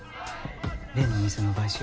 例のお店の買収